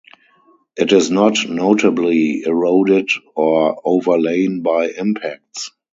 It is not notably eroded or overlain by impacts.